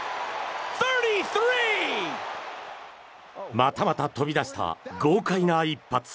またまた飛び出した豪快な一発。